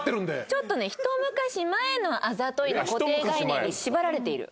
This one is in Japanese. ちょっとねひと昔前の「あざとい」の固定概念に縛られている。